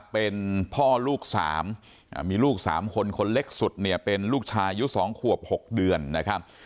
เป็นพ่อลูกสามมีลูกสามคนคนเล็กสุดเนี่ยเป็นลูกชายุสองควบหกเดือนนะครับ